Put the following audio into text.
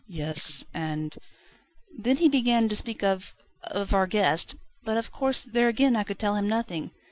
"Yes. And ..." "Then he began to speak of of our guest but, of course, there again I could tell him nothing.